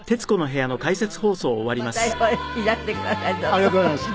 ありがとうございます。